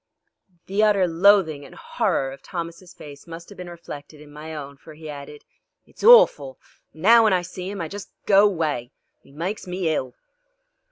The utter loathing and horror of Thomas' face must have been reflected in my own, for he added: "It's orful, an' now when I see 'im I just go away. 'E maikes me hill."